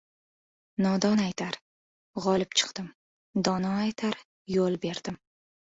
• Nodon aytar: — g‘olib chiqdim, dono aytar: — yo‘l berdim.